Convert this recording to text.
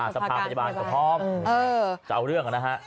สะพานพยาบาลจะพร้อมจะเอาเรื่องกันนะฮะ